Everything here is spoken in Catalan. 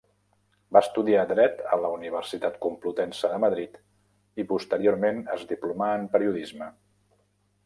Va estudiar dret a la Universitat Complutense de Madrid i posteriorment es diplomà en periodisme.